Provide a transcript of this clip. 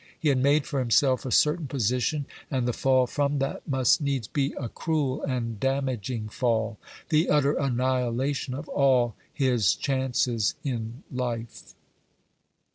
He had made for himself a certain position, and the fall from that must needs be a cruel and damaging fall, the utter annihilation of all his chances in life.